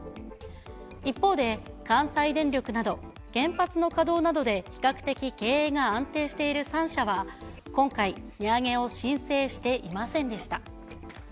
一方で、関西電力など、原発の稼働などで比較的経営が安定している３社は、今回、値上げを申請していませんでした。